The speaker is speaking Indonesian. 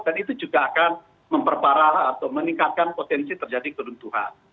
dan itu juga akan memperparah atau meningkatkan potensi terjadi keruntuhan